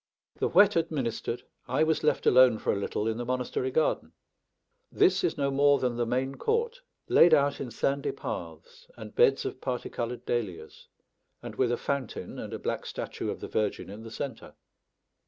The whet administered, I was left alone for a little in the monastery garden. This is no more than the main court, laid out in sandy paths and beds of parti coloured dahlias, and with a fountain and a black statue of the Virgin in the centre.